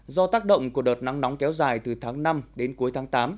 do tác động của đợt nắng nóng kéo dài từ tháng năm đến cuối tháng tám